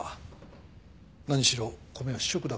何しろ米は主食だからな。